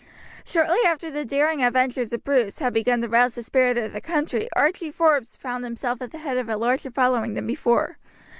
Shortly after the daring adventures of Bruce had begun to rouse the spirit of the country Archie Forbes found himself at the head of a larger following than before.